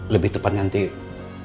lebih tepat nanti bu dokter akan melakukan